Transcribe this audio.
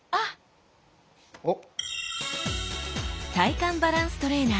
おっ。